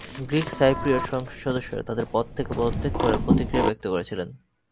Greek Cypriot সংসদ সদস্যরা তাদের পদ থেকে পদত্যাগ করে প্রতিক্রিয়া ব্যক্ত করেছিলেন।